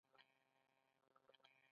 آیا ډیر افغانان هلته ژوند نه کوي؟